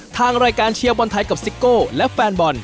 ทางรายการเชียร์บอลไทยกับซิโก้และแฟนบอล